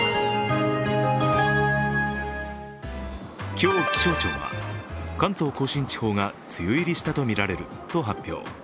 今日、気象庁は関東甲信地方が梅雨入りしたとみられると発表。